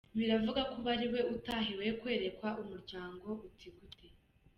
Biravugwa ko ubu ariwe utahiwe kwerekwa umuryango uti gute ?